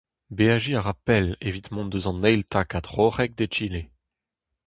Beajiñ a ra pell evit mont eus an eil takad roc'hek d'egile.